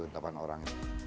pak man pak man pak man